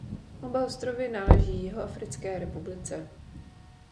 Oba ostrovy náleží Jihoafrické republice.